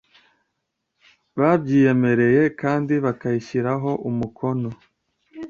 babyiyemereye kandi bakayishyiraho umukono